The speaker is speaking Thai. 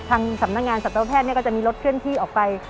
ทางสำนักงานสัตวแพทย์ก็จะมีรถเคลื่อนที่ออกไป